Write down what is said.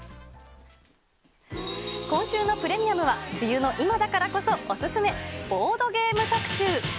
今週のプレミアムは、梅雨の今だからこそお勧め、ボードゲーム特集。